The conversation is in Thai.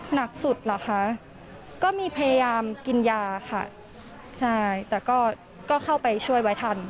หนักสุดเหรอคะก็มีพยายามกินยาค่ะใช่แต่ก็เข้าไปช่วยไว้ทัน